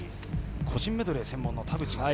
個人メドレー専門の田渕。